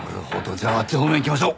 じゃああっち方面行きましょう！